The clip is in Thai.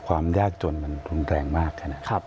ความยากจนมันรุนแรงมากครับ